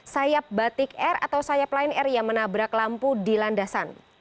sayap batik air atau sayap line air yang menabrak lampu di landasan